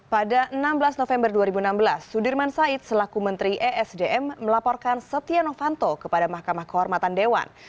pada enam belas november dua ribu enam belas sudirman said selaku menteri esdm melaporkan setia novanto kepada mahkamah kehormatan dewan